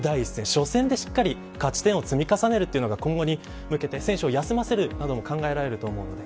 初戦でしっかり勝ち点を積み重ねるのが今後に、選手を休ませるのも考えられるので。